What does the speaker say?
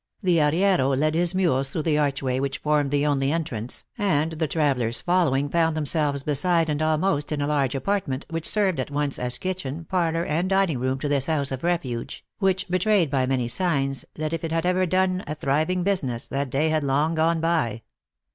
The arriero led his mules through the archway which formed the only entrance, and the travelers folio wing found themselves beside and almost in a large apartment, which served at once as kitchen, parlor and dining room to this house of refuge, which betrayed by many signs, that if it had ever done a thriving business, that day had long gone by.